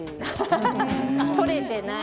撮れてない？